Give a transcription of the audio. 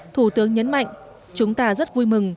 thủ tướng nhấn mạnh chúng ta rất vui mừng